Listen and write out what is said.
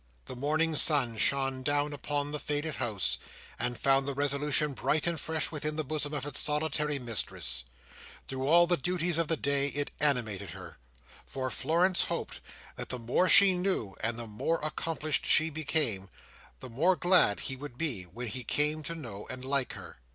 The morning sun shone down upon the faded house, and found the resolution bright and fresh within the bosom of its solitary mistress, Through all the duties of the day, it animated her; for Florence hoped that the more she knew, and the more accomplished she became, the more glad he would be when he came to know and like her.